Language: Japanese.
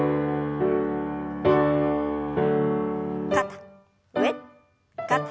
肩上肩下。